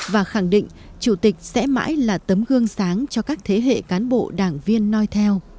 và khẳng định chủ tịch sẽ mãi là tấm gương sáng cho các thế hệ cán bộ đảng viên noi theo